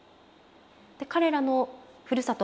彼らのふるさと